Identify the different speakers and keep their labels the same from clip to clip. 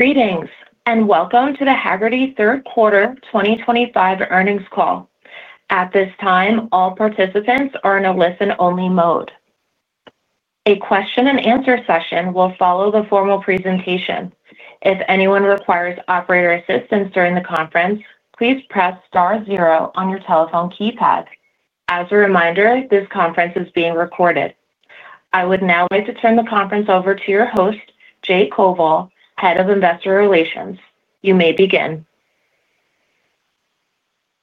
Speaker 1: Greetings and welcome to the Hagerty Third Quarter 2025 Earnings Call. At this time, all participants are in a listen-only mode. A question-and-answer session will follow the formal presentation. If anyone requires operator assistance during the conference, please press star zero on your telephone keypad. As a reminder, this conference is being recorded. I would now like to turn the conference over to your host, Jay Koval, Head of Investor Relations. You may begin.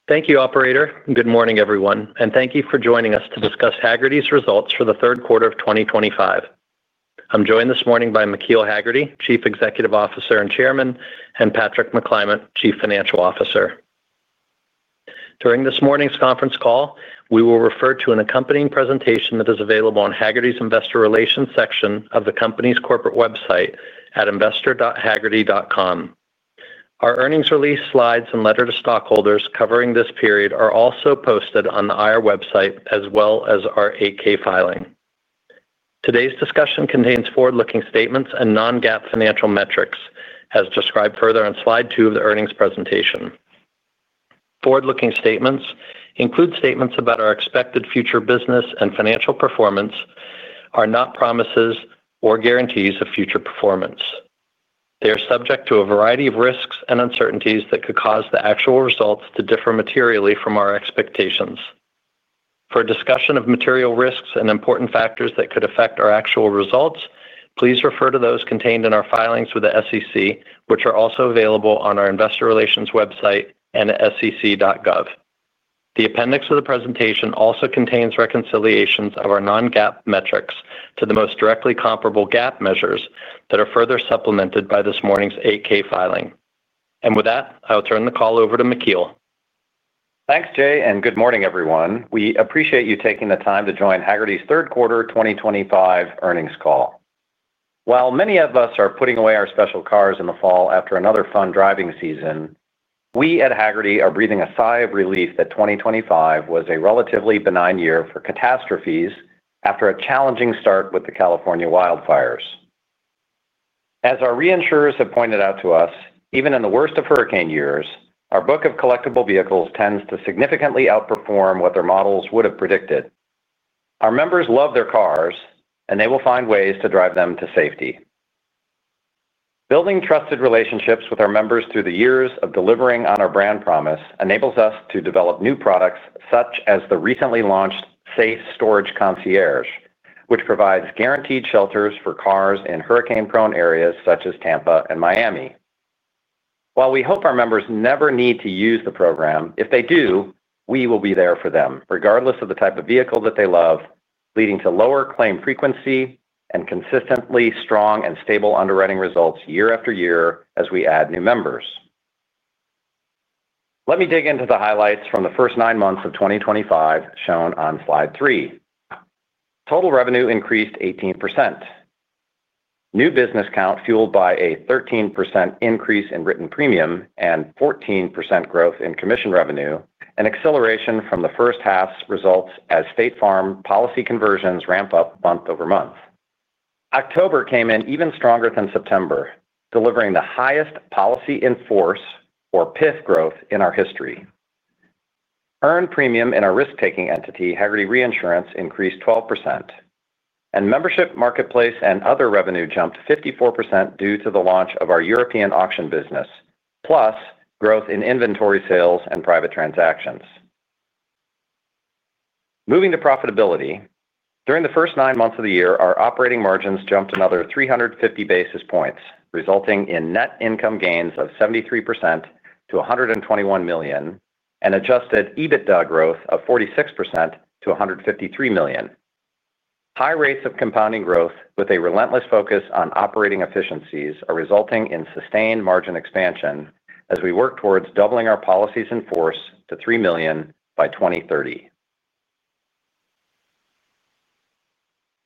Speaker 2: Thank you, Operator. Good morning, everyone, and thank you for joining us to discuss Hagerty's results for the third quarter of 2025. I'm joined this morning by McKeel Hagerty, Chief Executive Officer and Chairman, and Patrick McClymont, Chief Financial Officer. During this morning's conference call, we will refer to an accompanying presentation that is available on Hagerty's Investor Relations section of the company's corporate website at investor.hagerty.com. Our earnings release slides and letter to stockholders covering this period are also posted on the IR website as well as our 8-K filing. Today's discussion contains forward-looking statements and non-GAAP financial metrics, as described further on slide two of the earnings presentation. Forward-looking statements include statements about our expected future business and financial performance, are not promises or guarantees of future performance. They are subject to a variety of risks and uncertainties that could cause the actual results to differ materially from our expectations. For a discussion of material risks and important factors that could affect our actual results, please refer to those contained in our filings with the SEC, which are also available on our Investor Relations website and at sec.gov. The appendix of the presentation also contains reconciliations of our non-GAAP metrics to the most directly comparable GAAP measures that are further supplemented by this morning's 8-K filing. And with that, I will turn the call over to McKeel.
Speaker 3: Thanks, Jay, and good morning, everyone. We appreciate you taking the time to join Hagerty's Third Quarter 2025 Earnings Call. While many of us are putting away our special cars in the fall after another fun driving season, we at Hagerty are breathing a sigh of relief that 2025 was a relatively benign year for catastrophes after a challenging start with the California wildfires. As our reinsurers have pointed out to us, even in the worst of hurricane years, our book of collectible vehicles tends to significantly outperform what their models would have predicted. Our members love their cars, and they will find ways to drive them to safety. Building trusted relationships with our members through the years of delivering on our brand promise enables us to develop new products such as the recently launched Safe Storage Concierge, which provides guaranteed shelters for cars in hurricane-prone areas such as Tampa and Miami. While we hope our members never need to use the program, if they do, we will be there for them, regardless of the type of vehicle that they love, leading to lower claim frequency and consistently strong and stable underwriting results year-after-year as we add new members. Let me dig into the highlights from the first nine months of 2025 shown on slide three. Total revenue increased 18%. New business count fueled by a 13% increase in written premium and 14% growth in commission revenue, an acceleration from the first half's results as State Farm policy conversions ramp up month over month. October came in even stronger than September, delivering the highest policy-in-force, or PIF, growth in our history. Earned premium in our risk-taking entity, Hagerty Reinsurance, increased 12%. And membership, marketplace, and other revenue jumped 54% due to the launch of our European auction business, plus growth in inventory sales and private transactions. Moving to profitability, during the first nine months of the year, our operating margins jumped another 350 basis points, resulting in net income gains of 73% to $121 million and adjusted EBITDA growth of 46% to $153 million. High rates of compounding growth with a relentless focus on operating efficiencies are resulting in sustained margin expansion as we work towards doubling our policies in force to 3 million by 2030.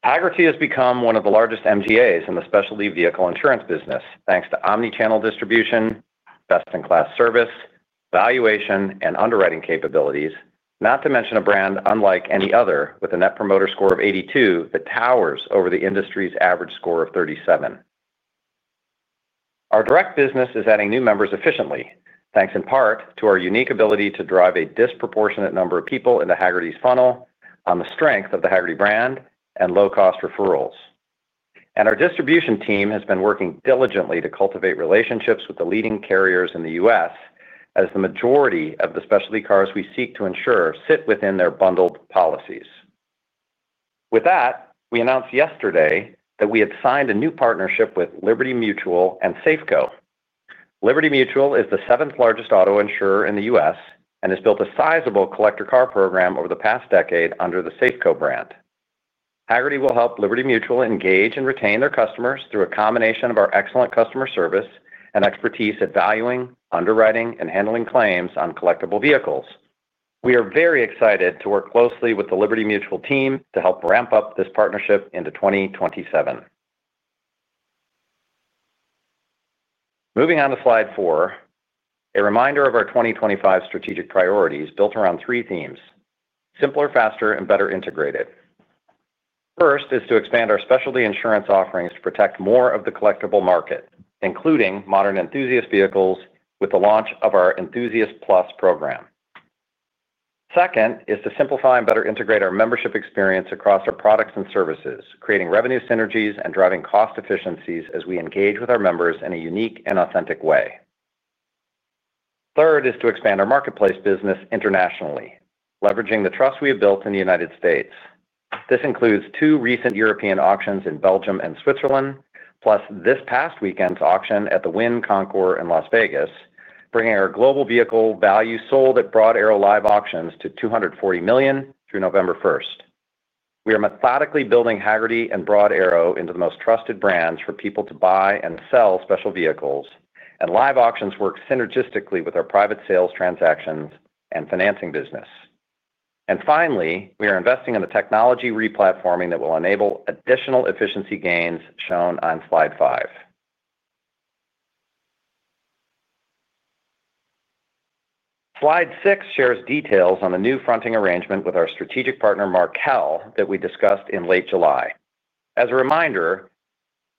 Speaker 3: Hagerty has become one of the largest MGAs in the specialty vehicle insurance business, thanks to omnichannel distribution, best-in-class service, valuation, and underwriting capabilities, not to mention a brand unlike any other with a net promoter score of 82 that towers over the industry's average score of 37. Our direct business is adding new members efficiently, thanks in part to our unique ability to drive a disproportionate number of people into Hagerty's funnel on the strength of the Hagerty brand and low-cost referrals. And our distribution team has been working diligently to cultivate relationships with the leading carriers in the U.S., as the majority of the specialty cars we seek to insure sit within their bundled policies. With that, we announced yesterday that we had signed a new partnership with Liberty Mutual and Safeco. Liberty Mutual is the seventh-largest auto insurer in the U.S. and has built a sizable collector car program over the past decade under the Safeco brand. Hagerty will help Liberty Mutual engage and retain their customers through a combination of our excellent customer service and expertise at valuing, underwriting, and handling claims on collectible vehicles. We are very excited to work closely with the Liberty Mutual team to help ramp up this partnership into 2027. Moving on to slide four. A reminder of our 2025 strategic priorities built around three themes: simpler, faster, and better integrated. First is to expand our specialty insurance offerings to protect more of the collectible market, including modern enthusiast vehicles, with the launch of our Enthusiast Plus program. Second is to simplify and better integrate our membership experience across our products and services, creating revenue synergies and driving cost efficiencies as we engage with our members in a unique and authentic way. Third is to expand our marketplace business internationally, leveraging the trust we have built in the United States. This includes two recent European auctions in Belgium and Switzerland, plus this past weekend's auction at the Wynn Concours in Las Vegas, bringing our global vehicle value sold at Broad Arrow Live Auctions to $240 million through November 1st. We are methodically building Hagerty and Broad Arrow into the most trusted brands for people to buy and sell special vehicles, and live auctions work synergistically with our private sales transactions and financing business. And finally, we are investing in the technology replatforming that will enable additional efficiency gains shown on slide five. Slide six shares details on the new fronting arrangement with our strategic partner, Markel, that we discussed in late July. As a reminder,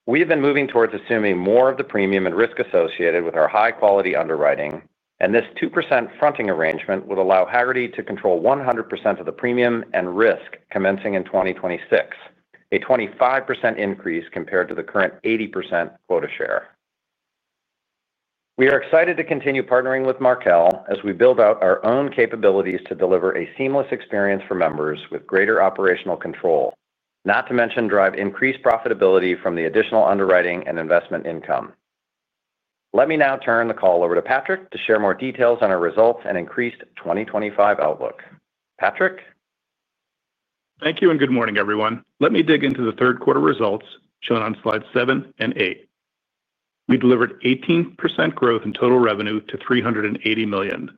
Speaker 3: we have been moving towards assuming more of the premium and risk associated with our high-quality underwriting, and this new fronting arrangement would allow Hagerty to control 100% of the premium and risk commencing in 2026, a 25% increase compared to the current 80% quota share. We are excited to continue partnering with Markel as we build out our own capabilities to deliver a seamless experience for members with greater operational control, not to mention drive increased profitability from the additional underwriting and investment income. Let me now turn the call over to Patrick to share more details on our results and increased 2025 outlook. Patrick?
Speaker 4: Thank you and good morning, everyone. Let me dig into the third quarter results shown on slide seven and eight. We delivered 18% growth in total revenue to $380 million.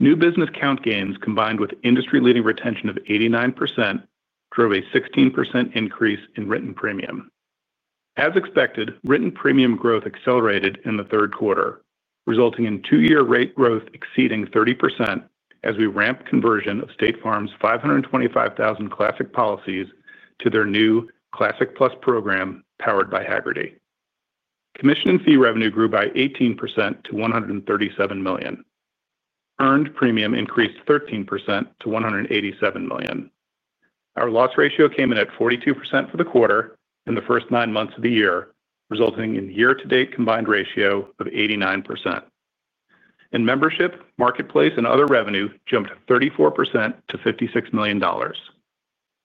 Speaker 4: New business count gains combined with industry-leading retention of 89% drove a 16% increase in written premium. As expected, written premium growth accelerated in the third quarter, resulting in two-year rate growth exceeding 30% as we ramped conversion of State Farm's 525,000 classic policies to their new Classic Plus program powered by Hagerty. Commission and fee revenue grew by 18% to $137 million. Earned premium increased 13% to $187 million. Our loss ratio came in at 42% for the quarter in the first nine months of the year, resulting in year-to-date combined ratio of 89%. In membership, marketplace, and other revenue jumped 34% to $56 million.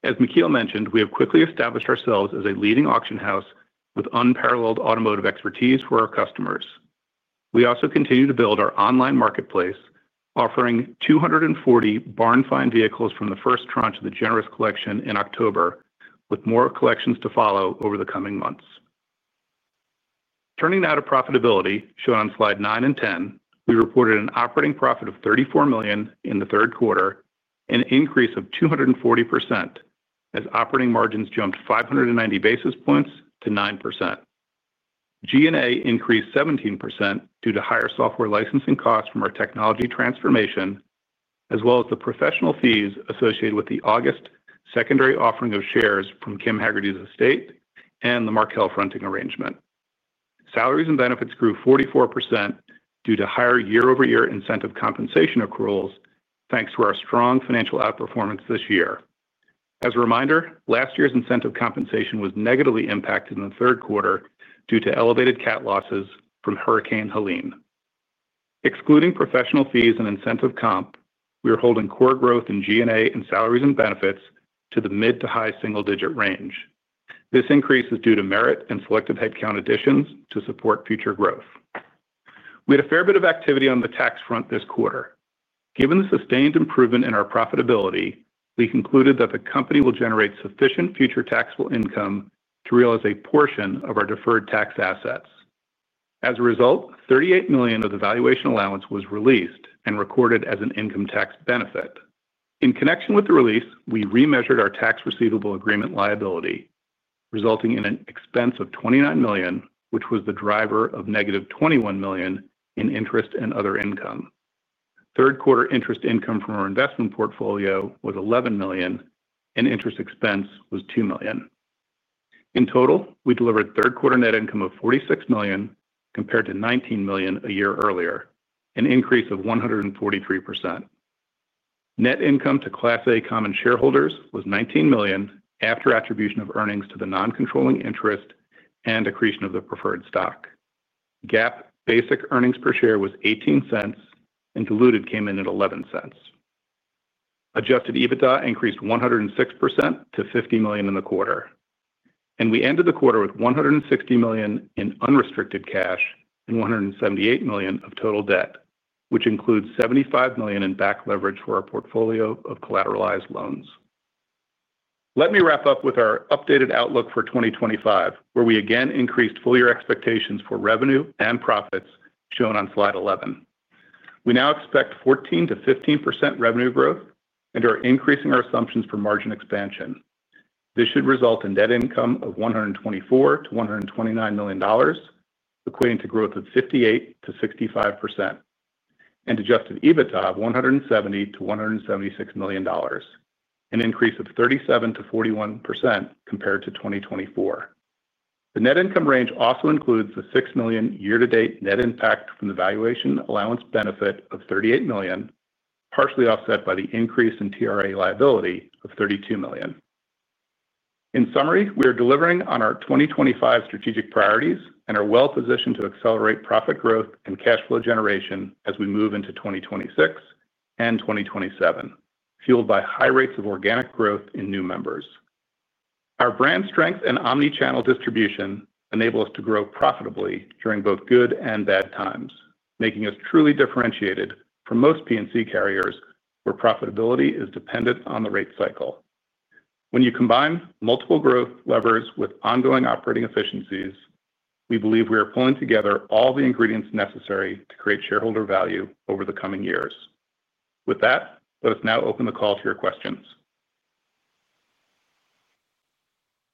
Speaker 4: As McKeel mentioned, we have quickly established ourselves as a leading auction house with unparalleled automotive expertise for our customers. We also continue to build our online marketplace, offering 240 barn find vehicles from the first tranche of the generous collection in October, with more collections to follow over the coming months. Turning now to profitability shown on slide nine and ten, we reported an operating profit of $34 million in the third quarter, an increase of 240%. As operating margins jumped 590 basis points to 9%. G&A increased 17% due to higher software licensing costs from our technology transformation, as well as the professional fees associated with the August secondary offering of shares from Kim Hagerty's estate and the Markel fronting arrangement. Salaries and benefits grew 44% due to higher year-over-year incentive compensation accruals, thanks to our strong financial outperformance this year. As a reminder, last year's incentive compensation was negatively impacted in the third quarter due to elevated CAT losses from Hurricane Helene. Excluding professional fees and incentive comp, we are holding core growth in G&A and salaries and benefits to the mid- to high-single-digit range. This increase is due to merit and selective headcount additions to support future growth. We had a fair bit of activity on the tax front this quarter. Given the sustained improvement in our profitability, we concluded that the company will generate sufficient future taxable income to realize a portion of our deferred tax assets. As a result, $38 million of the valuation allowance was released and recorded as an income tax benefit. In connection with the release, we remeasured our tax receivable agreement liability, resulting in an expense of $29 million, which was the driver of -$21 million in interest and other income. Third quarter interest income from our investment portfolio was $11 million, and interest expense was $2 million. In total, we delivered third quarter net income of $46 million compared to $19 million a year earlier, an increase of 143%. Net income to Class A common shareholders was $19 million after attribution of earnings to the non-controlling interest and accretion of the preferred stock. GAAP basic earnings per share was $0.18, and diluted came in at $0.11. Adjusted EBITDA increased 106% to $50 million in the quarter, and we ended the quarter with $160 million in unrestricted cash and $178 million of total debt, which includes $75 million in back leverage for our portfolio of collateralized loans. Let me wrap up with our updated outlook for 2025, where we again increased full-year expectations for revenue and profits shown on slide 11. We now expect 14%-15% revenue growth and are increasing our assumptions for margin expansion. This should result in net income of $124 million-$129 million, equating to growth of 58%-65%, and adjusted EBITDA of $170 million-$176 million, an increase of 37%-41% compared to 2024. The net income range also includes the $6 million year-to-date net impact from the valuation allowance benefit of $38 million, partially offset by the increase in TRA liability of $32 million. In summary, we are delivering on our 2025 strategic priorities and are well-positioned to accelerate profit growth and cash flow generation as we move into 2026 and 2027, fueled by high rates of organic growth in new members. Our brand strength and omnichannel distribution enable us to grow profitably during both good and bad times, making us truly differentiated from most P&C carriers where profitability is dependent on the rate cycle. When you combine multiple growth levers with ongoing operating efficiencies, we believe we are pulling together all the ingredients necessary to create shareholder value over the coming years. With that, let us now open the call to your questions.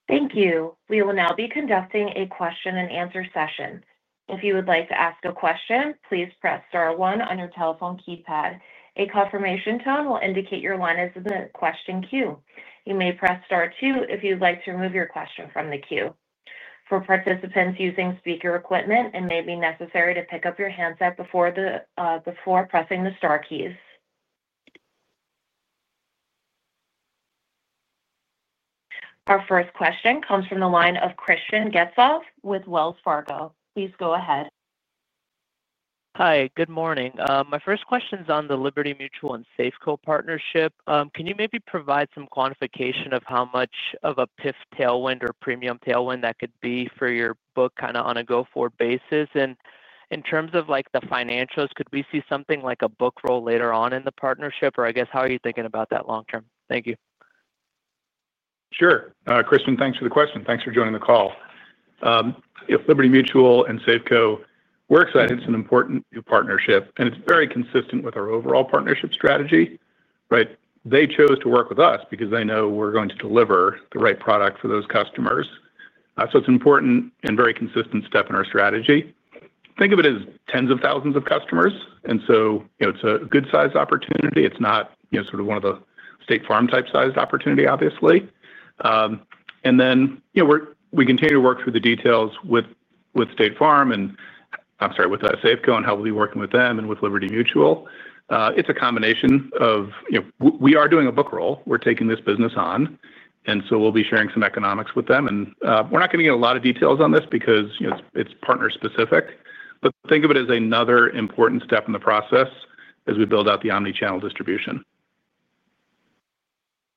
Speaker 1: Thank you. We will now be conducting a question-and-answer session. If you would like to ask a question, please press star one on your telephone keypad. A confirmation tone will indicate your line is in the question queue. You may press star two if you'd like to remove your question from the queue. For participants using speaker equipment, it may be necessary to pick up your handset before pressing the star keys. Our first question comes from the line of Christian Getzoff with Wells Fargo. Please go ahead.
Speaker 5: Hi, good morning. My first question is on the Liberty Mutual and Safeco partnership. Can you maybe provide some quantification of how much of a PIF tailwind or premium tailwind that could be for your book kind of on a go-forward basis? And in terms of the financials, could we see something like a book roll later on in the partnership? Or I guess, how are you thinking about that long-term? Thank you.
Speaker 4: Sure. Christian, thanks for the question. Thanks for joining the call. Liberty Mutual and Safeco, we're excited. It's an important new partnership, and it's very consistent with our overall partnership strategy. They chose to work with us because they know we're going to deliver the right product for those customers. So it's an important and very consistent step in our strategy. Think of it as tens of thousands of customers. And so it's a good-sized opportunity. It's not sort of one of the State Farm-type sized opportunity, obviously. And then. We continue to work through the details with Safeco and how we'll be working with them and with Liberty Mutual. It's a combination of. We are doing a book roll. We're taking this business on. And so we'll be sharing some economics with them. And we're not going to get a lot of details on this because it's partner-specific. But think of it as another important step in the process as we build out the omnichannel distribution.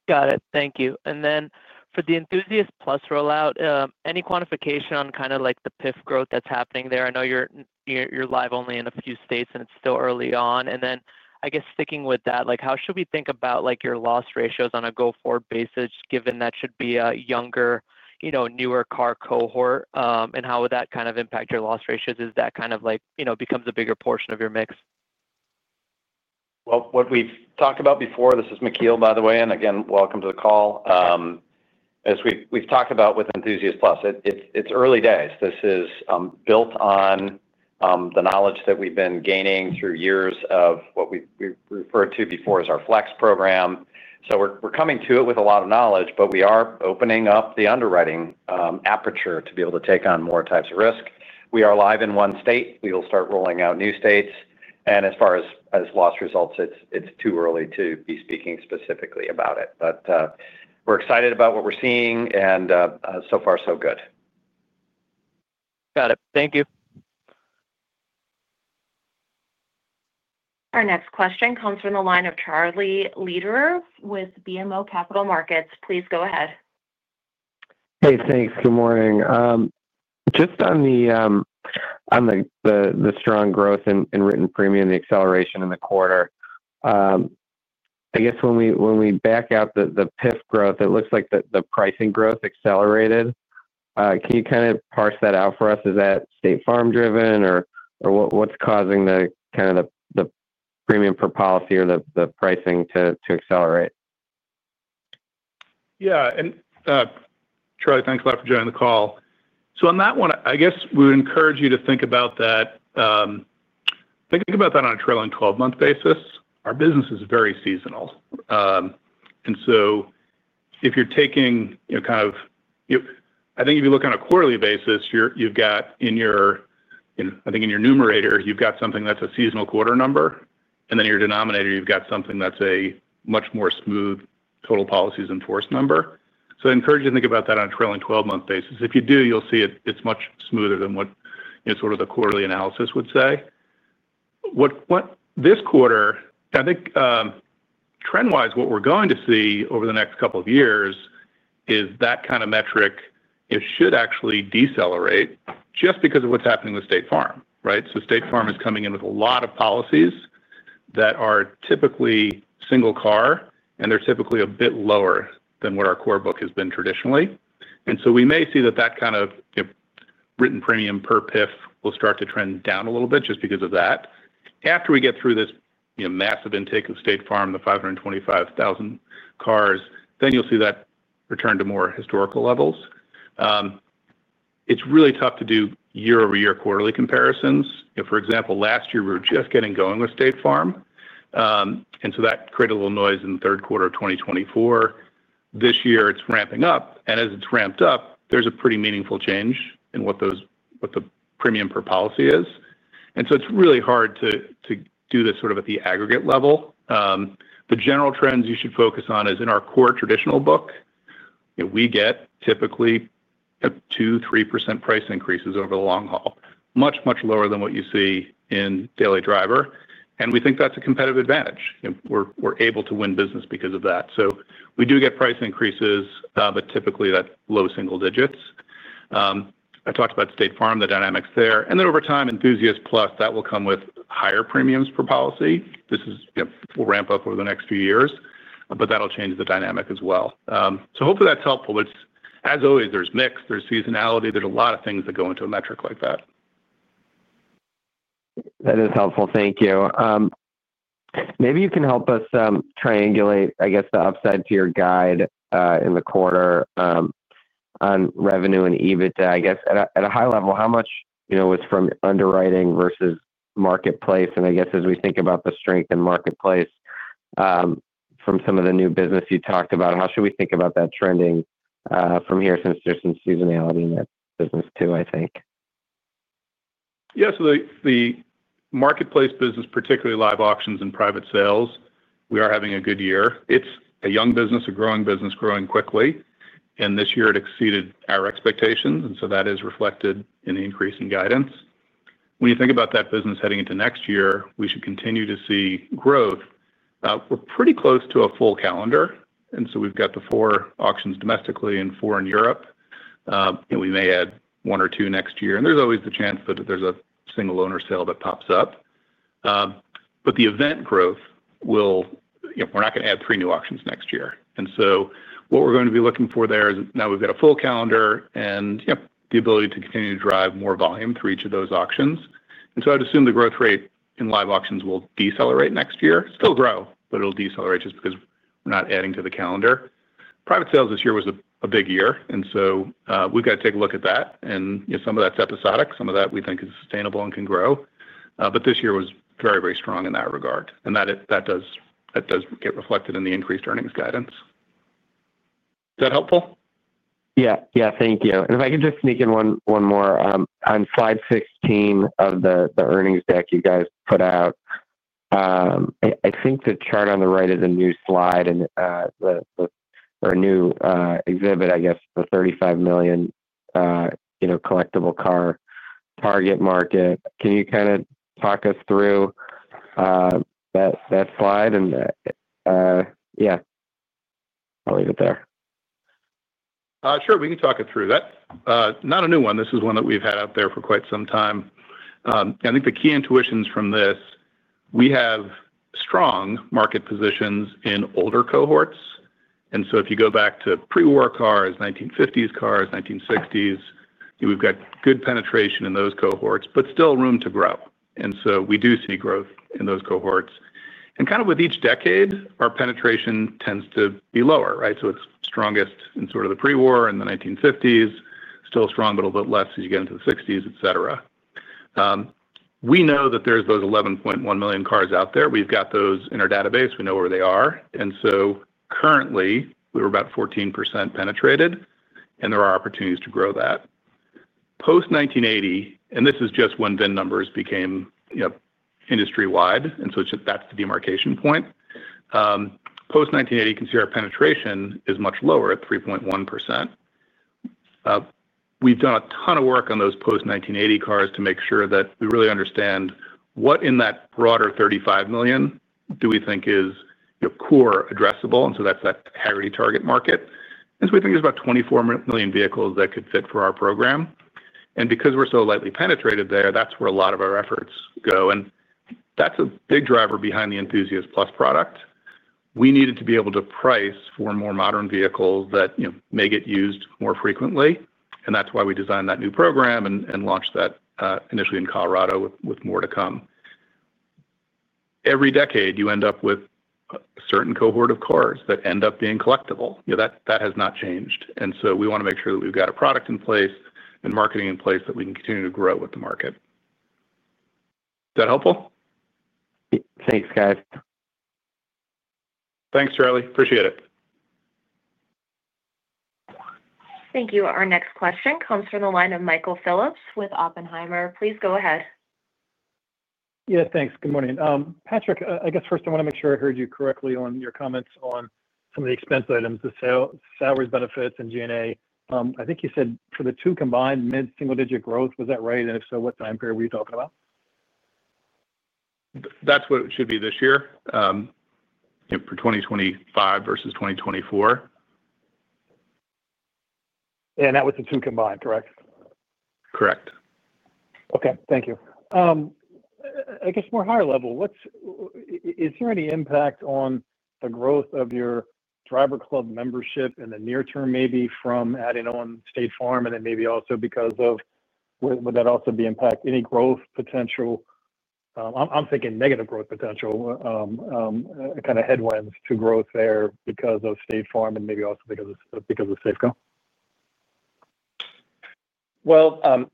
Speaker 5: Got it. Thank you. And then for the Enthusiast Plus rollout, any quantification on kind of like the PIF growth that's happening there? I know you're live only in a few states, and it's still early on. And then, I guess, sticking with that, how should we think about your loss ratios on a go-forward basis, given that should be a younger, newer car cohort? And how would that kind of impact your loss ratios as that kind of becomes a bigger portion of your mix?
Speaker 3: Well, what we've talked about before, this is McKeel, by the way. And again, welcome to the call. As we've talked about with Enthusiast Plus, it's early days. This is built on the knowledge that we've been gaining through years of what we referred to before as our Flex program. So we're coming to it with a lot of knowledge, but we are opening up the underwriting aperture to be able to take on more types of risk. We are live in one state. We will start rolling out new states. And as far as loss results, it's too early to be speaking specifically about it. But we're excited about what we're seeing, and so far, so good.
Speaker 5: Got it. Thank you.
Speaker 1: Our next question comes from the line of Charlie Lederer with BMO Capital Markets. Please go ahead.
Speaker 6: Hey, thanks. Good morning. Just on the strong growth in written premium, the acceleration in the quarter. I guess when we back out the PIF growth, it looks like the pricing growth accelerated. Can you kind of parse that out for us? Is that State Farm-driven, or what's causing kind of the premium per policy or the pricing to accelerate?
Speaker 4: Yeah, Charlie, thanks a lot for joining the call. So on that one, I guess we would encourage you to think about that. Think about that on a trailing 12-month basis. Our business is very seasonal. And so if you're taking kind of. I think if you look on a quarterly basis, you've got I think in your numerator, you've got something that's a seasonal quarter number. And then your denominator, you've got something that's a much more smooth total policies in force number. So I encourage you to think about that on a trailing 12-month basis. If you do, you'll see it's much smoother than what sort of the quarterly analysis would say. This quarter, I think. Trend-wise, what we're going to see over the next couple of years is that kind of metric should actually decelerate just because of what's happening with State Farm, right? So State Farm is coming in with a lot of policies that are typically single car, and they're typically a bit lower than what our core book has been traditionally. And so we may see that kind of written premium per PIF will start to trend down a little bit just because of that. After we get through this massive intake of State Farm, the 525,000 cars, then you'll see that return to more historical levels. It's really tough to do year-over-year quarterly comparisons. For example, last year, we were just getting going with State Farm. And so that created a little noise in the third quarter of 2024. This year, it's ramping up. And as it's ramped up, there's a pretty meaningful change in what the premium per policy is. And so it's really hard to do this sort of at the aggregate level. The general trends you should focus on is in our core traditional book, we get typically 2%, 3% price increases over the long haul, much, much lower than what you see in Daily Driver. And we think that's a competitive advantage. We're able to win business because of that. So we do get price increases, but typically, that's low single digits. I talked about State Farm, the dynamics there. And then over time, Enthusiast Plus, that will come with higher premiums per policy. This will ramp up over the next few years, but that'll change the dynamic as well. So hopefully, that's helpful. As always, there's mix, there's seasonality. There's a lot of things that go into a metric like that.
Speaker 6: That is helpful. Thank you. Maybe you can help us triangulate, I guess, the upside to your guide in the quarter on revenue and EBITDA. I guess at a high level, how much was from underwriting versus marketplace? And I guess as we think about the strength in marketplace from some of the new business you talked about, how should we think about that trending from here since there's some seasonality in that business too, I think?
Speaker 4: Yeah. So the marketplace business, particularly live auctions and private sales, we are having a good year. It's a young business, a growing business, growing quickly. And this year, it exceeded our expectations. And so that is reflected in the increase in guidance. When you think about that business heading into next year, we should continue to see growth. We're pretty close to a full calendar. And so we've got the four auctions domestically and four in Europe. We may add one or two next year. And there's always the chance that there's a single owner sale that pops up. But the event growth will. We're not going to add three new auctions next year. And so what we're going to be looking for there is now we've got a full calendar and the ability to continue to drive more volume through each of those auctions. And so I would assume the growth rate in live auctions will decelerate next year. It'll still grow, but it'll decelerate just because we're not adding to the calendar. Private sales this year was a big year. And so we've got to take a look at that. And some of that's episodic. Some of that we think is sustainable and can grow. But this year was very, very strong in that regard. And that does get reflected in the increased earnings guidance. Is that helpful?
Speaker 6: Yeah. Yeah. Thank you. And if I could just sneak in one more. On slide 16 of the earnings deck you guys put out. I think the chart on the right is a new slide and or a new exhibit, I guess, the 35 million collectible car target market. Can you kind of talk us through that slide? Yeah. I'll leave it there.
Speaker 4: Sure. We can talk it through. That's not a new one. This is one that we've had out there for quite some time. I think the key intuitions from this, we have strong market positions in older cohorts. And so if you go back to pre-war cars, 1950s cars, 1960s, we've got good penetration in those cohorts, but still room to grow. And so we do see growth in those cohorts. And kind of with each decade, our penetration tends to be lower, right? So it's strongest in sort of the pre-war and the 1950s, still strong, but a little bit less as you get into the 60s, etc. We know that there's those 11.1 million cars out there. We've got those in our database. We know where they are. And so currently, we were about 14% penetrated, and there are opportunities to grow that. Post 1980, and this is just when VIN numbers became industry-wide. And so that's the demarcation point. Post 1980, you can see our penetration is much lower at 3.1%. We've done a ton of work on those post 1980 cars to make sure that we really understand what in that broader 35 million do we think is core addressable. And so that's that Hagerty target market. And so we think there's about 24 million vehicles that could fit for our program. And because we're so lightly penetrated there, that's where a lot of our efforts go. And that's a big driver behind the Enthusiast Plus product. We needed to be able to price for more modern vehicles that may get used more frequently. And that's why we designed that new program and launched that initially in Colorado with more to come. Every decade, you end up with a certain cohort of cars that end up being collectible. That has not changed. And so we want to make sure that we've got a product in place and marketing in place that we can continue to grow with the market. Is that helpful?
Speaker 6: Thanks, guys.
Speaker 4: Thanks, Charlie. Appreciate it.
Speaker 1: Thank you. Our next question comes from the line of Michael Phillips with Oppenheimer. Please go ahead.
Speaker 7: Yeah, thanks. Good morning. Patrick, I guess first I want to make sure I heard you correctly on your comments on some of the expense items, the salaries, benefits and G&A. I think you said for the two combined, mid-single-digit growth, was that right? And if so, what time period were you talking about?
Speaker 4: That's what it should be this year. For 2025 versus 2024.
Speaker 7: And that was the two combined, correct?
Speaker 4: Correct.
Speaker 7: Okay. Thank you. I guess more higher level, is there any impact on the growth of your Drivers Club membership in the near term maybe from adding on State Farm and then maybe also because of. Would that also be impact any growth potential? I'm thinking negative growth potential. Kind of headwinds to growth there because of State Farm and maybe also because of Safeco?
Speaker 3: Well,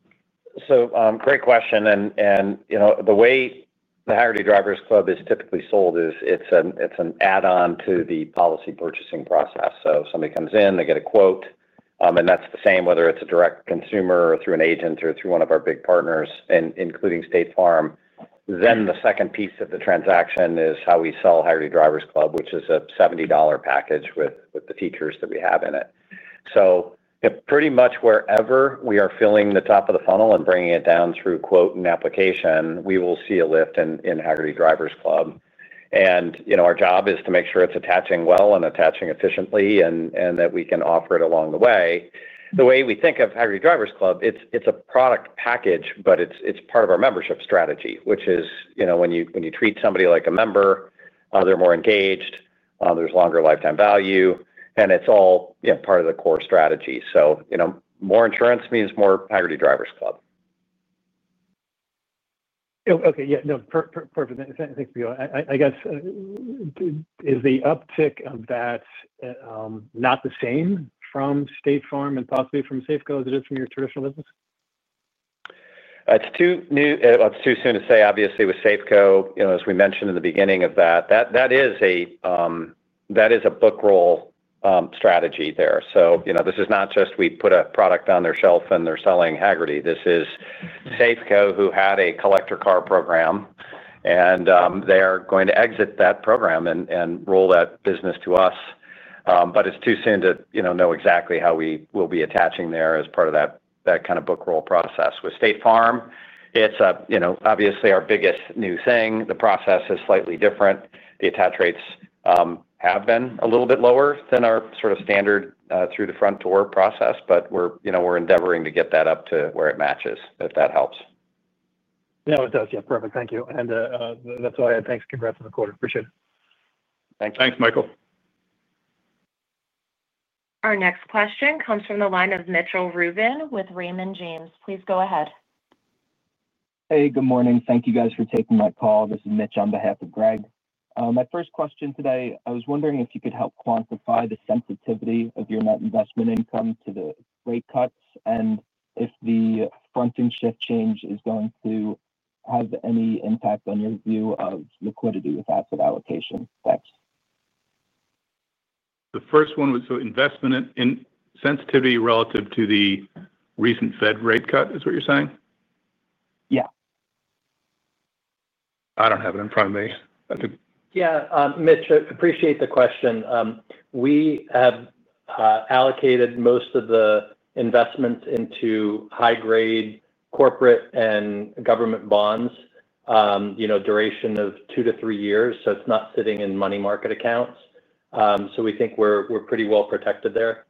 Speaker 3: so great question, and the way the Hagerty Drivers Club is typically sold is it's an add-on to the policy purchasing process, so somebody comes in, they get a quote, and that's the same whether it's a direct consumer or through an agent or through one of our big partners, including State Farm. Then the second piece of the transaction is how we sell Hagerty Drivers Club, which is a $70 package with the features that we have in it, so pretty much wherever we are filling the top of the funnel and bringing it down through quote and application, we will see a lift in Hagerty Drivers Club, and our job is to make sure it's attaching well and attaching efficiently and that we can offer it along the way. The way we think of Hagerty Drivers Club, it's a product package, but it's part of our membership strategy, which is when you treat somebody like a member, they're more engaged, there's longer lifetime value, and it's all part of the core strategy, so more insurance means more Hagerty Drivers Club.
Speaker 7: Okay. Yeah. No, perfect. Thanks, McKeel. I guess. Is the uptick of that not the same from State Farm and possibly from Safeco as it is from your traditional business?
Speaker 3: It's too soon to say. Obviously, with Safeco, as we mentioned in the beginning of that, that is a bookroll strategy there. So this is not just we put a product on their shelf and they're selling Hagerty. This is Safeco who had a collector car program. And they are going to exit that program and roll that business to us. But it's too soon to know exactly how we will be attaching there as part of that kind of bookroll process. With State Farm, it's obviously our biggest new thing. The process is slightly different. The attach rates have been a little bit lower than our sort of standard through-the-front-door process, but we're endeavoring to get that up to where it matches, if that helps.
Speaker 7: No, it does. Yeah. Perfect. Thank you. And that's all I had. Thanks. Congrats on the quarter. Appreciate it.
Speaker 3: Thanks, Michael.
Speaker 1: Our next question comes from the line of Mitchell Rubin with Raymond James. Please go ahead.
Speaker 8: Hey, good morning. Thank you guys for taking my call. This is Mitch on behalf of Greg. My first question today, I was wondering if you could help quantify the sensitivity of your net investment income to the rate cuts and if the fronting shift change is going to have any impact on your view of liquidity with asset allocation. Thanks.
Speaker 4: The first one was the interest rate sensitivity relative to the recent Fed rate cut, is what you're saying?
Speaker 8: Yeah.
Speaker 4: I don't have [it in front of me.]
Speaker 3: Yeah. Mitch, appreciate the question. We have allocated most of the investments into high-grade corporate and government bonds. Duration of two to three years, so it's not sitting in money market accounts. So we think we're pretty well protected there.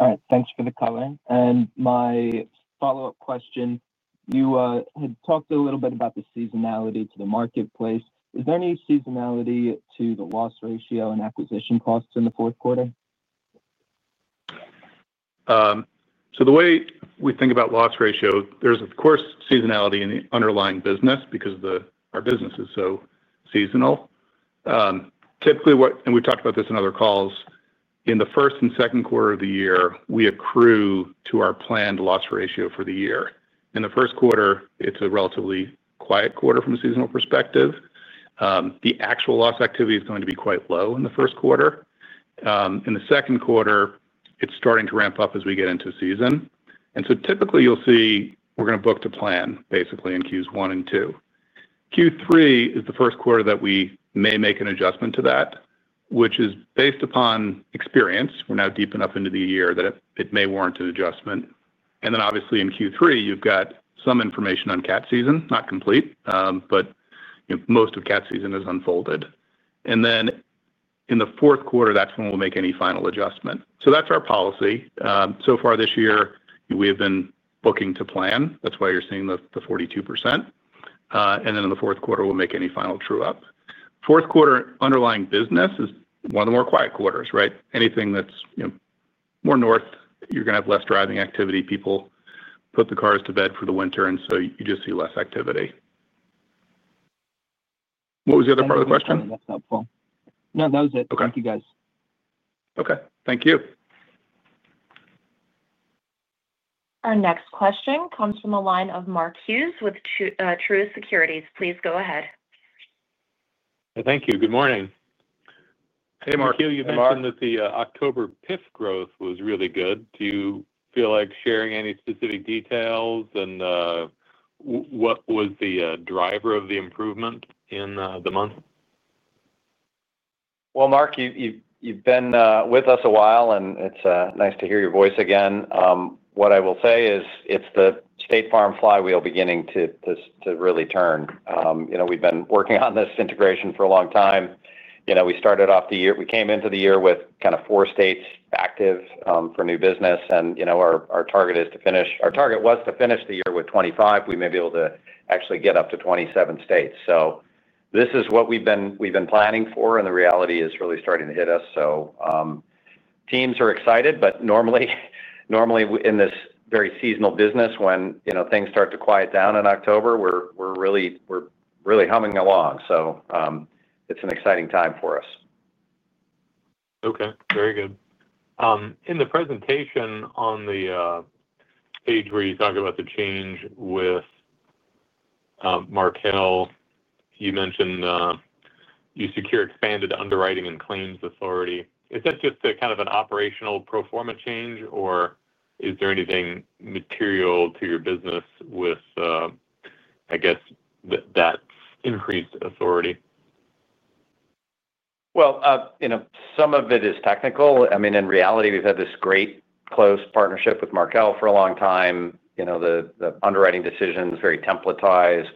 Speaker 8: All right. Thanks for the comment. And my follow-up question, you had talked a little bit about the seasonality to the marketplace. Is there any seasonality to the loss ratio and acquisition costs in the fourth quarter?
Speaker 4: So the way we think about loss ratio, there's, of course, seasonality in the underlying business because our business is so seasonal. Typically, and we've talked about this in other calls, in the first and second quarter of the year, we accrue to our planned loss ratio for the year. In the first quarter, it's a relatively quiet quarter from a seasonal perspective. The actual loss activity is going to be quite low in the first quarter. In the second quarter, it's starting to ramp up as we get into season. And so typically, you'll see we're going to book to plan, basically, in Q1 and Q2. Q3 is the first quarter that we may make an adjustment to that, which is based upon experience. We're now deep enough into the year that it may warrant an adjustment. And then, obviously, in Q3, you've got some information on Kart season, not complete, but most of Kart season is unfolded. And then in the fourth quarter, that's when we'll make any final adjustment. So that's our policy. So far this year, we have been booking to plan. That's why you're seeing the 42%. And then in the fourth quarter, we'll make any final true-up. Fourth quarter underlying business is one of the more quiet quarters, right? Anything that's more north, you're going to have less driving activity. People put the cars to bed for the winter, and so you just see less activity. What was the other part of the question?
Speaker 8: That's helpful. No, that was it. Thank you, guys.
Speaker 4: Okay. Thank you.
Speaker 1: Our next question comes from the line of Mark Hughes with Truist Securities. Please go ahead.
Speaker 9: Thank you. Good morning.
Speaker 3: Hey, Mark.
Speaker 9: You mentioned that the October 5th growth was really good. Do you feel like sharing any specific details, and what was the driver of the improvement in the month?
Speaker 3: Well, Mark, you've been with us a while, and it's nice to hear your voice again. What I will say is it's the State Farm Flywheel beginning to really turn. We've been working on this integration for a long time. We started off the year. We came into the year with kind of four states active for new business. And our target is to finish. Our target was to finish the year with 25. We may be able to actually get up to 27 states. So this is what we've been planning for, and the reality is really starting to hit us. So teams are excited, but normally in this very seasonal business, when things start to quiet down in October, we're really humming along. So it's an exciting time for us.
Speaker 9: Okay. Very good. In the presentation on the page where you talk about the change with Markel, you mentioned you secure expanded underwriting and claims authority. Is that just kind of an operational pro forma change, or is there anything material to your business with I guess that increased authority?
Speaker 3: Some of it is technical. I mean, in reality, we've had this great close partnership with Markel for a long time. The underwriting decisions, very templatized,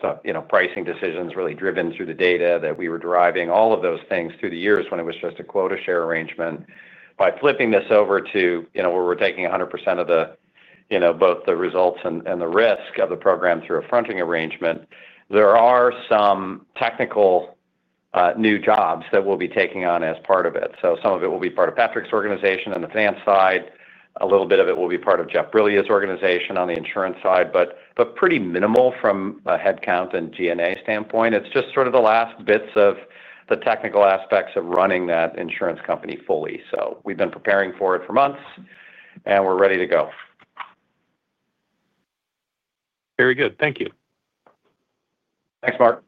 Speaker 3: pricing decisions really driven through the data that we were deriving, all of those things through the years when it was just a quota share arrangement. By flipping this over to where we're taking 100% of both the results and the risk of the program through a fronting arrangement, there are some technical new jobs that we'll be taking on as part of it. So some of it will be part of Patrick's organization on the finance side. A little bit of it will be part of Jeff Briglia's organization on the insurance side, but pretty minimal from a headcount and G&A standpoint. It's just sort of the last bits of the technical aspects of running that insurance company fully. So we've been preparing for it for months, and we're ready to go.
Speaker 9: Very good. Thank you.
Speaker 3: Thanks, Mark.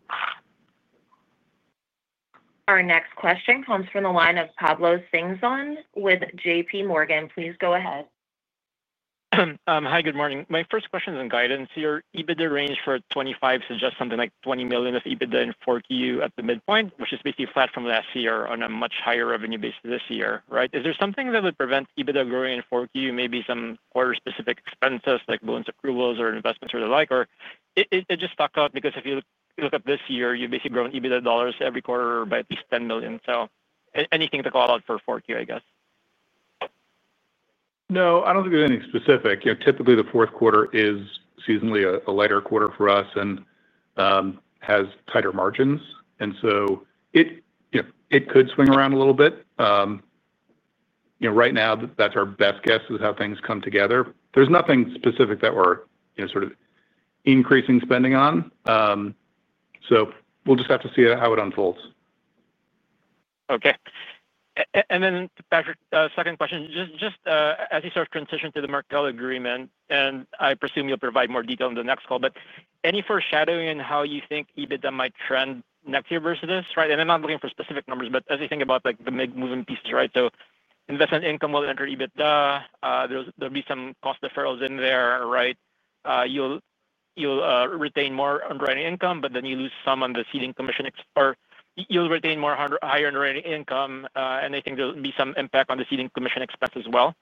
Speaker 1: Our next question comes from the line of Pablo Singzon with JPMorgan. Please go ahead.
Speaker 10: Hi, good morning. My first question is on guidance here. EBITDA range for 25 suggests something like $20 million of EBITDA in 4Q at the midpoint, which is basically flat from last year on a much higher revenue base this year, right? Is there something that would prevent EBITDA growing in 4Q, maybe some quarter-specific expenses like bonus approvals or investments or the like, or it just step up because if you look at this year, you basically grow in EBITDA dollars every quarter by at least $10 million? So anything to call out for 4Q, I guess?
Speaker 4: No, I don't think there's anything specific. Typically, the fourth quarter is seasonally a lighter quarter for us and has tighter margins. And so it could swing around a little bit. Right now, that's our best guess is how things come together. There's nothing specific that we're sort of increasing spending on. So we'll just have to see how it unfolds.
Speaker 10: Okay. And then, Patrick, second question. Just as you sort of transition to the Markel agreement, and I presume you'll provide more detail in the next call, but any foreshadowing in how you think EBITDA might trend next year versus this, right? And I'm not looking for specific numbers, but as you think about the big moving pieces, right? So investment income will enter EBITDA. There'll be some cost deferrals in there, right? You'll retain more underwriting income, but then you lose some on the ceding commission or you'll retain more higher underwriting income, and I think there'll be some impact on the ceding commission expense as well.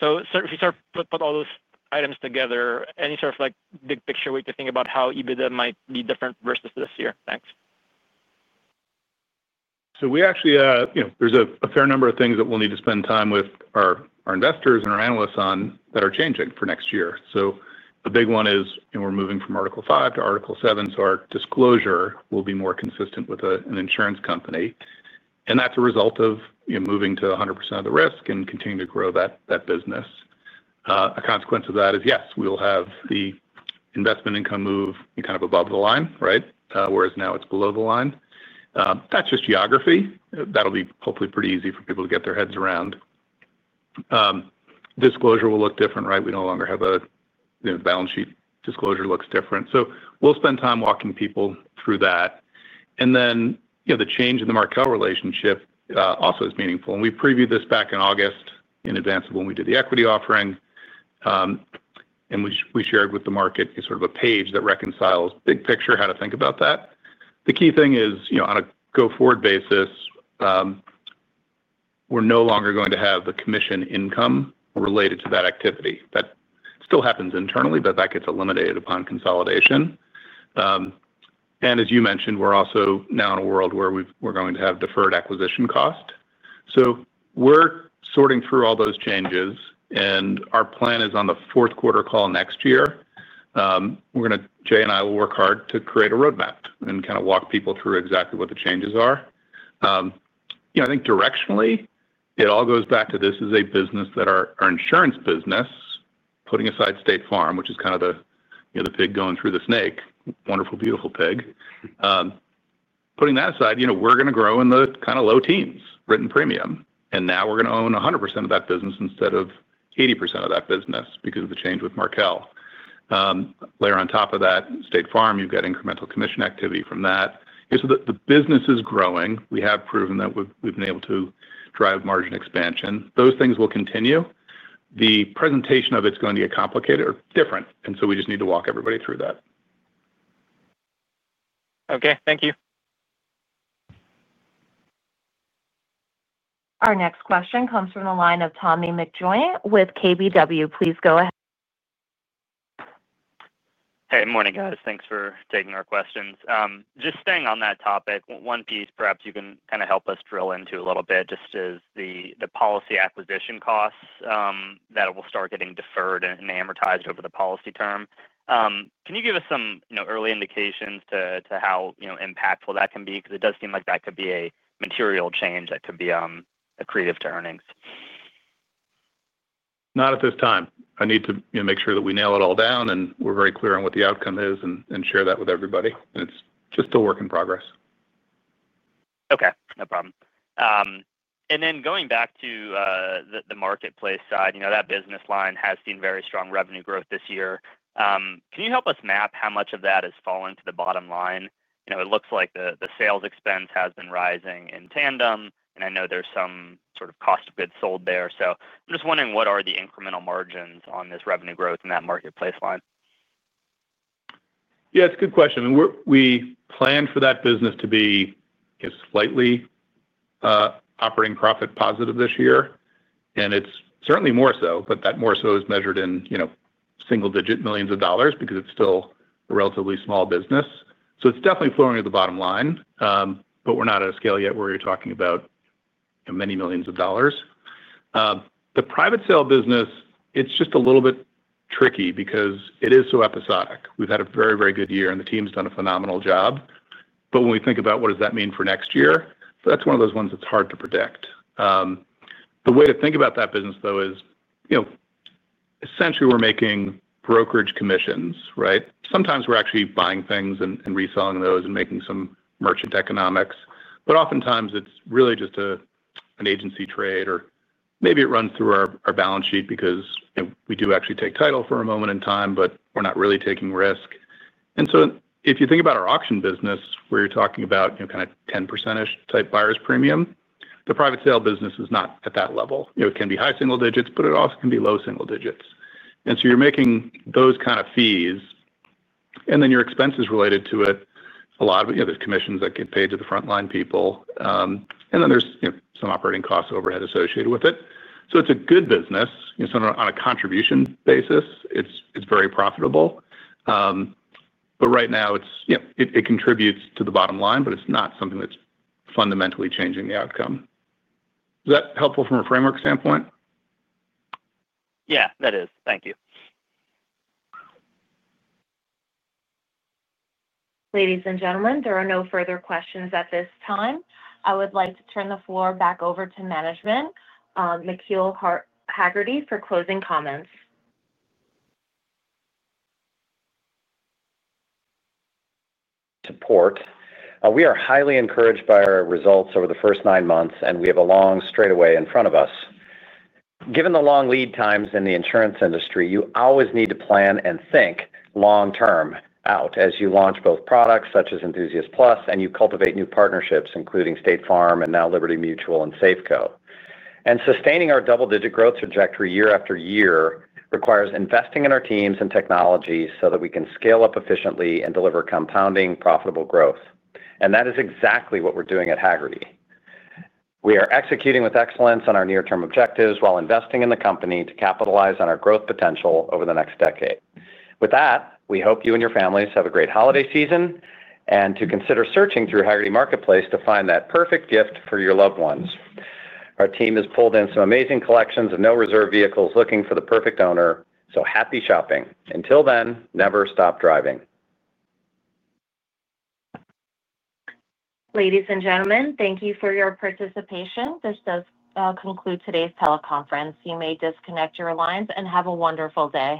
Speaker 10: So if you sort of put all those items together, any sort of big picture way to think about how EBITDA might be different versus this year? Thanks.
Speaker 4: So we actually, there's a fair number of things that we'll need to spend time with our investors and our analysts on that are changing for next year. So a big one is we're moving from Article 5 to Article 7. So our disclosure will be more consistent with an insurance company. And that's a result of moving to 100% of the risk and continuing to grow that business. A consequence of that is, yes, we will have the investment income move kind of above the line, right? Whereas now it's below the line. That's just geography. That'll be hopefully pretty easy for people to get their heads around. Disclosure will look different, right? We no longer have a balance sheet disclosure looks different. So we'll spend time walking people through that. And then the change in the Markel relationship also is meaningful. And we previewed this back in August in advance of when we did the equity offering. And we shared with the market sort of a page that reconciles big picture how to think about that. The key thing is on a go-forward basis. We're no longer going to have the commission income related to that activity. That still happens internally, but that gets eliminated upon consolidation. And as you mentioned, we're also now in a world where we're going to have deferred acquisition cost. So we're sorting through all those changes, and our plan is on the fourth quarter call next year. Jay and I will work hard to create a roadmap and kind of walk people through exactly what the changes are. I think directionally, it all goes back to this is a business that our insurance business. Putting aside State Farm, which is kind of the pig going through the snake, wonderful, beautiful pig. Putting that aside, we're going to grow in the kind of low teens, written premium. And now we're going to own 100% of that business instead of 80% of that business because of the change with Markel. Layer on top of that, State Farm, you've got incremental commission activity from that. So the business is growing. We have proven that we've been able to drive margin expansion. Those things will continue. The presentation of it's going to get complicated or different. And so we just need to walk everybody through that.
Speaker 10: Okay. Thank you.
Speaker 1: Our next question comes from the line of Tommy McJoy with KBW. Please go ahead.
Speaker 11: Hey, good morning, guys. Thanks for taking our questions. Just staying on that topic, one piece perhaps you can kind of help us drill into a little bit just is the policy acquisition costs that will start getting deferred and amortized over the policy term. Can you give us some early indications to how impactful that can be? Because it does seem like that could be a material change that could be a credit to earnings.
Speaker 4: Not at this time. I need to make sure that we nail it all down and we're very clear on what the outcome is and share that with everybody, and it's just a work in progress.
Speaker 11: Okay. No problem. And then, going back to the marketplace side, that business line has seen very strong revenue growth this year. Can you help us map how much of that has fallen to the bottom line? It looks like the sales expense has been rising in tandem, and I know there's some sort of cost of goods sold there. So I'm just wondering what are the incremental margins on this revenue growth in that marketplace line?
Speaker 4: Yeah, it's a good question. We plan for that business to be slightly operating profit positive this year. And it's certainly more so, but that more so is measured in single-digit millions of dollars because it's still a relatively small business. So it's definitely flowing to the bottom line, but we're not at a scale yet where you're talking about many millions of dollars. The private sale business, it's just a little bit tricky because it is so episodic. We've had a very, very good year, and the team's done a phenomenal job. But when we think about what does that mean for next year, that's one of those ones that's hard to predict. The way to think about that business, though, is essentially we're making brokerage commissions, right? Sometimes we're actually buying things and reselling those and making some merchant economics. But oftentimes, it's really just an agency trade, or maybe it runs through our balance sheet because we do actually take title for a moment in time, but we're not really taking risk. And so if you think about our auction business, where you're talking about kind of 10%-ish type buyer's premium, the private sale business is not at that level. It can be high single digits, but it also can be low single digits. And so you're making those kind of fees. And then your expenses related to it, a lot of it, there's commissions that get paid to the frontline people. And then there's some operating cost overhead associated with it. So it's a good business. On a contribution basis, it's very profitable. But right now, it contributes to the bottom line, but it's not something that's fundamentally changing the outcome. Is that helpful from a framework standpoint?
Speaker 11: Yeah, that is. Thank you.
Speaker 1: Ladies and gentlemen, there are no further questions at this time. I would like to turn the floor back over to management. McKeel Hagerty for closing comments.
Speaker 3: Support. We are highly encouraged by our results over the first nine months, and we have a long straightaway in front of us. Given the long lead times in the insurance industry, you always need to plan and think long-term out as you launch both products such as Enthusiast Plus and you cultivate new partnerships, including State Farm and now Liberty Mutual and Safeco, and sustaining our double-digit growth trajectory year-after-year requires investing in our teams and technology so that we can scale up efficiently and deliver compounding profitable growth. And that is exactly what we're doing at Hagerty. We are executing with excellence on our near-term objectives while investing in the company to capitalize on our growth potential over the next decade. With that, we hope you and your families have a great holiday season and to consider searching through Hagerty Marketplace to find that perfect gift for your loved ones. Our team has pulled in some amazing collections of no-reserve vehicles looking for the perfect owner. So happy shopping. Until then, never stop driving.
Speaker 1: Ladies and gentlemen, thank you for your participation. This does conclude today's teleconference. You may disconnect your lines and have a wonderful day.